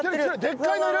でっかいのいる！